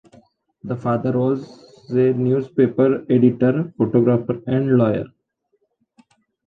Their father was a newspaper editor, photographer and lawyer.